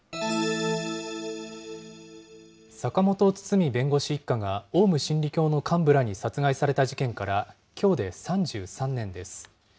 坂本堤弁護士一家がオウム真理教の幹部らに殺害された事件からきょうで３３年です。